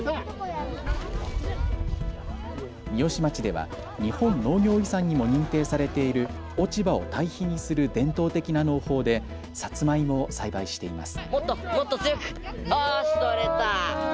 三芳町では日本農業遺産にも認定されている落ち葉を堆肥にする伝統的な農法でさつまいもを栽培しています。